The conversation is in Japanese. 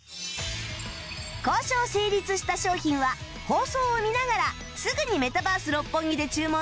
交渉成立した商品は放送を見ながらすぐにメタバース六本木で注文する事ができますよ